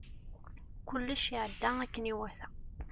Kullec iɛedda akken iwata.